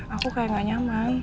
aku kayak gak nyaman